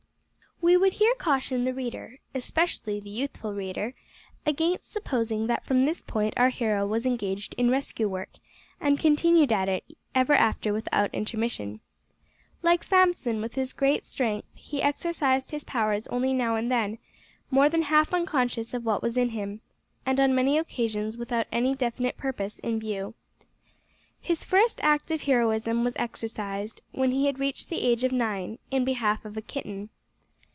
We would here caution the reader especially the youthful reader against supposing that from this point our hero was engaged in rescue work, and continued at it ever after without intermission. Like Samson, with his great strength, he exercised his powers only now and then more than half unconscious of what was in him and on many occasions without any definite purpose in view. His first act of heroism was exercised, when he had reached the age of nine, in behalf of a kitten.